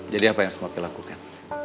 jadi apa yang harus papi lakukan